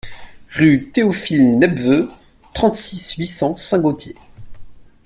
Rue Théophile Nepveu, trente-six, huit cents Saint-Gaultier